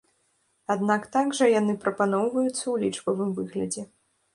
Аднак так жа яны прапаноўваюцца ў лічбавым выглядзе.